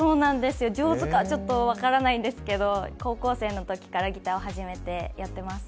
上手か、ちょっと分からないんですけど、高校生のときからギターを始めてやってます。